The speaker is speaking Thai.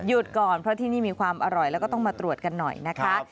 ก่อนเพราะที่นี่มีความอร่อยแล้วก็ต้องมาตรวจกันหน่อยนะคะ